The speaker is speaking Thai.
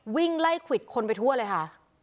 วิ่งไล่ควิดคนไปทั่วเลยค่ะ